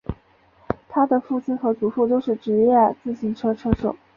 他的父亲和祖父都是职业自行车车手。